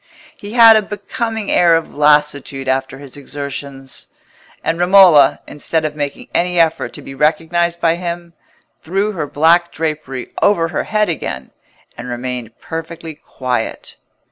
He had a becoming air of lassitude after his exertions; and Romola, instead of making any effort to be recognised by him, threw her black drapery over her head again, and remained perfectly quiet.